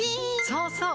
そうそう！